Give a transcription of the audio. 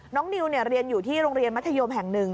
นิวเรียนอยู่ที่โรงเรียนมัธยมแห่งหนึ่ง